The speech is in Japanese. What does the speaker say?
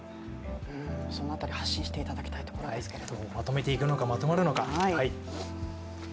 その辺り発信していただきたいところですけれど。